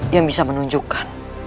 yang bisa menunjukkan